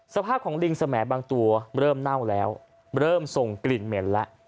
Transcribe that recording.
สภาพของลิงสมัยบางตัวเริ่มเน่าแล้วเริ่มส่งกลิ่นเหม็นแล้ว